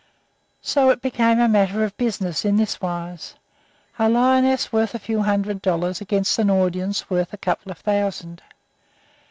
So it became a matter of business in this wise a lioness worth a few hundred dollars against an audience worth a couple of thousand.